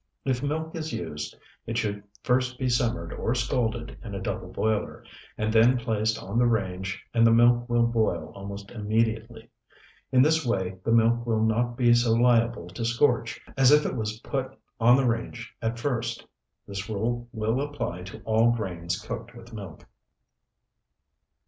If milk is used, it should first be simmered or scalded in a double boiler, and then placed on the range and the milk will boil almost immediately. In this way the milk will not be so liable to scorch as if it was put on the range at first. This rule will apply to all grains cooked with milk.